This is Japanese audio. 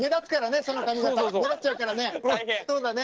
そうだね。